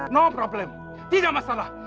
no problem tidak masalah